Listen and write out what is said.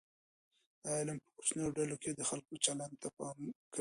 دا علم په کوچنیو ډلو کې د خلګو چلند ته پام کوي.